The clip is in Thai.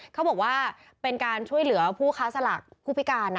เขาบอกว่าเป็นการช่วยเหลือผู้ค้าสลากผู้พิการ